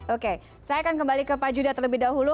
oke saya akan kembali ke pak judah terlebih dahulu